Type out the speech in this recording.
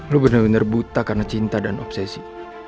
lo bener bener buta karena cinta dan obsesi